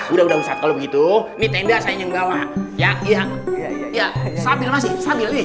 udah udah udah kalau begitu ini tenda saya nggak ada